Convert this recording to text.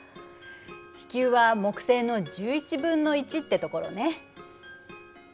地球は木星の１１分の１ってところね。